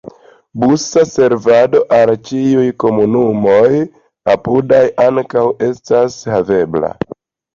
Busa servado al ĉiuj komunumoj apudaj ankaŭ estas havebla.